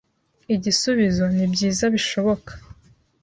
Igisubizo: nibyiza bishoboka!